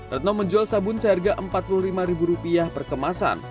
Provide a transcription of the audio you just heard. retno menjual sabun seharga rp empat puluh lima per kemasan